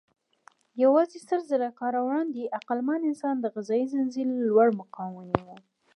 یواځې سلزره کاله وړاندې عقلمن انسان د غذایي ځنځير لوړ مقام ونیو.